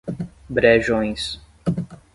Brejões